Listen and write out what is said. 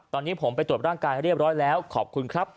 ตอนนี้ผมไปตรวจร่างกายเรียบร้อยแล้วขอบคุณครับ